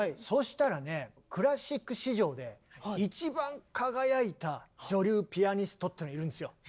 そしたらねクラシック史上で一番輝いた女流ピアニストってのいるんですよ。